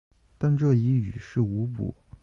但这已于事无补。